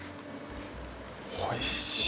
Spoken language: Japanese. おいしい。